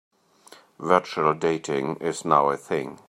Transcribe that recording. Virtual dating is now a thing.